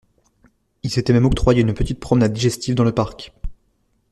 Ils s’étaient même octroyé une petite promenade digestive dans le parc.